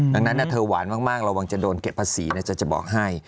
ดังนั้นเธอหวานมากระวังจะโดนเก็บภาษีจะบอกให้